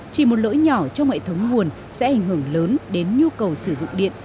chỉ một lỗi nhỏ trong hệ thống nguồn sẽ ảnh hưởng lớn đến nhu cầu sử dụng điện